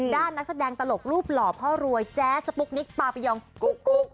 นักแสดงตลกรูปหล่อพ่อรวยแจ๊สสปุ๊กนิกปาปิยองกุ๊ก